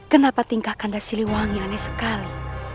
kenapa tingkah kandas siliwangi aneh sekali